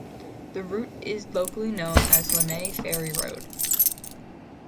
The route is locally known as Lemay Ferry Road.